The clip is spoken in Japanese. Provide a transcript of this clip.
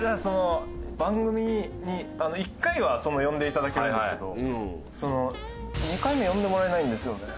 番組に１回は呼んでいただけるんですけど２回目呼んでもらえないんですよね。